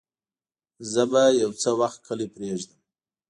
زه به يو څه وخت کلی پرېږدم.